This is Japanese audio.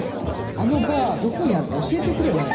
あのバーどこにあるか教えてくれもう。